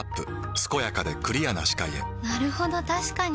健やかでクリアな視界へなるほど確かに！